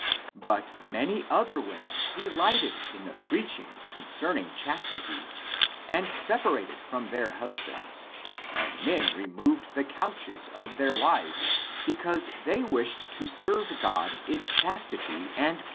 ^^ But many other '^^ women delight ed in the preaching concerning chastity and sepa rated from their husbands, and men removed the couches of their wives,'^^ because they wished to serve God in chastity and purity.